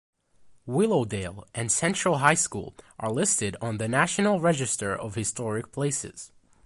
Willowdale and Central High School are listed on the National Register of Historic Places.